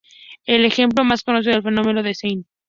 Es el ejemplo más conocido del fenómeno de Stein.